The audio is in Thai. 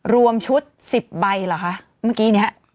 รวมชุด๑๐ใบเหรอคะเมื่อกี้นี้